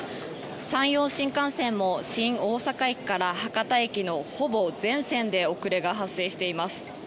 山陽新幹線も新大阪駅から博多駅のほぼ全線で遅れが発生しています。